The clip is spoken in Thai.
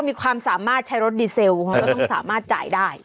มีความสามารถใช้รถดีเซลเขาก็ต้องสามารถจ่ายได้